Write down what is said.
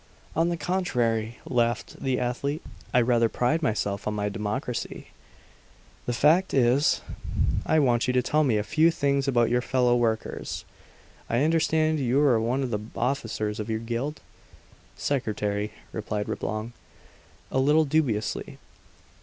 "On the contrary," laughed the athlete. "I rather pride myself on my democracy. "The fact is, I want you to tell me a few things about your fellow workers. I understand you're one of the officers of your guild?" "Secretary," replied Reblong, a little dubiously.